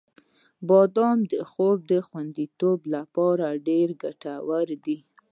• بادام د خوب خوندیتوب لپاره ډېر ګټور دی.